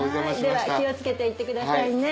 では気を付けて行ってくださいね。